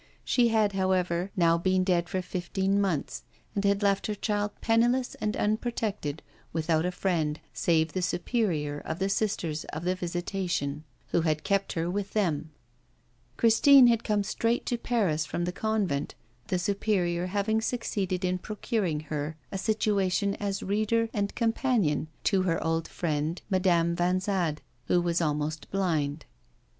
She had, however, now been dead for fifteen months, and had left her child penniless and unprotected, without a friend, save the Superior of the Sisters of the Visitation, who had kept her with them. Christine had come straight to Paris from the convent, the Superior having succeeded in procuring her a situation as reader and companion to her old friend, Madame Vanzade, who was almost blind.